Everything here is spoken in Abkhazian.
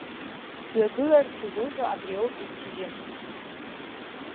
Сҩагылар, сызуҳәо абриоуп есшьыжьы.